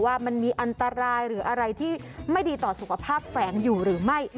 ว่ามันมีอันตรายหรืออะไรที่ไม่ดีต่อสุขภาพแฝงอยู่หรือไม่